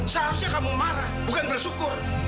seharusnya kamu marah bukan bersyukur